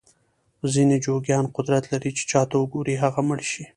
ځینې جوګیان قدرت لري چې چاته وګوري هغه مړ شي.